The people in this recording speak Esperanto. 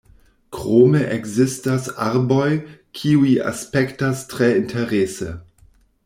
Krome ekzistas arboj, kiuj aspektas tre interese.